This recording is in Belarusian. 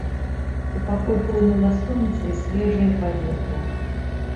У пакой хлынула сонца і свежае паветра.